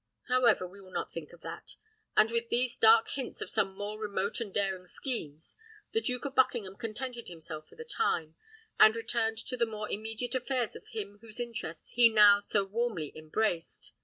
However, we will not think of that!" And with these dark hints of some more remote and daring schemes, the Duke of Buckingham contented himself for the time, and returned to the more immediate affairs of him whose interest he now so warmly embraced.